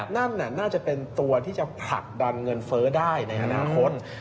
นั่นน่าจะเป็นตัวที่จะผลักดันเงินเฟ้อได้ในอนาคต